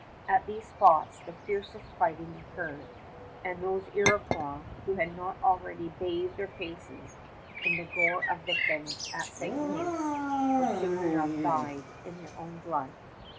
At these spots the fiercest fighting occurred, and those Iroquois who had not already bathed their faces in the gore of victims at St. Ignace were soon enough dyed in their own blood.